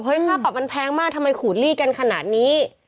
ค่าปรับมันแพงมากทำไมขูดลี่กันขนาดนี้